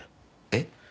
えっ？